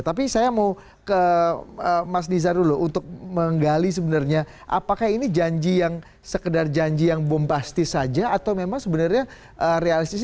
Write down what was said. tapi saya mau ke mas nizar dulu untuk menggali sebenarnya apakah ini janji yang sekedar janji yang bombastis saja atau memang sebenarnya realistis